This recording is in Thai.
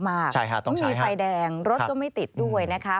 ต้องมีไฟแดงรถก็ไม่ติดด้วยนะคะ